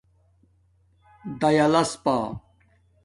دایلس پݳ